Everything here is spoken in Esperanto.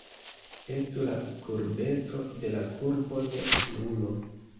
Estu la kurbeco de la kurbo ne nulo.